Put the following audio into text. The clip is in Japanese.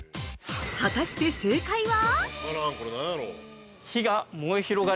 ◆果たして正解は？